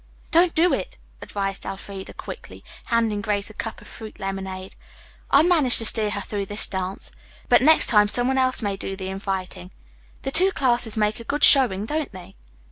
"Don't do it," advised Elfreda, quickly, handing Grace a cup of fruit lemonade. "I'll manage to steer her through this dance. But next time some one else may do the inviting. The two classes make a good showing, don't they?"